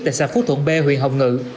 tại xã phú thuận b huyện hồng ngự